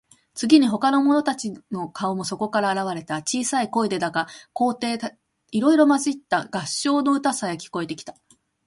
次に、ほかの者たちの顔もそこから現われた。小さい声でだが、高低いろいろまじった合唱の歌さえ、聞こえてきた。